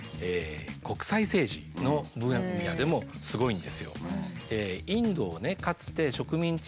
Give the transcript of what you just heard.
国際政治の分野でもすごいんですよ。